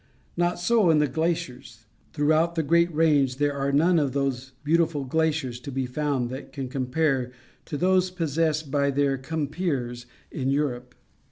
Not so in the glaciers. Throughout the great range, there are none of those beautiful glaciers to be found that can compare with those possessed by their compeers in Europe.